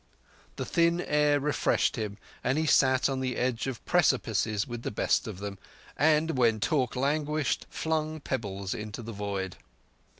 The thin air refreshed him, and he sat on the edge of precipices with the best of them, and, when talk languished, flung pebbles into the void.